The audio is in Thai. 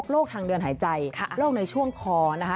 ทางเดินหายใจโรคในช่วงคอนะคะ